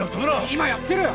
今やってるよ！